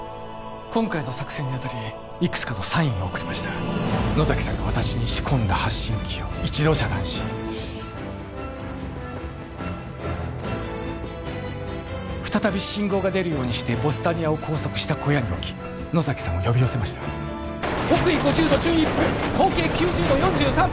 今回の作戦に当たりいくつかのサインを送りました野崎さんが私に仕込んだ発信機を一度遮断し再び信号が出るようにしてヴォスタニアを拘束した小屋に置き野崎さんを呼び寄せました「北緯５０度１１分東経９０度４３分」